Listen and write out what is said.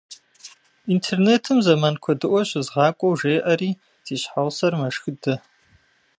Интернетым зэман куэдыӏуэ щызгъакӏуэу жеӏэри, си щхьэгъусэр мэшхыдэ.